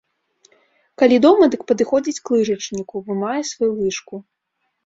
Калі дома, дык падыходзіць к лыжачніку, вымае сваю лыжку.